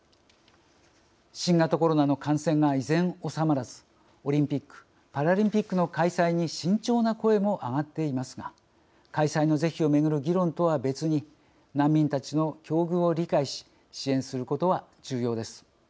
新型コロナの感染が依然、収まらずオリンピック・パラリンピックの開催に慎重な声も上がっていますが開催の是非をめぐる議論とは別に難民たちの境遇を理解し支援することは重要です。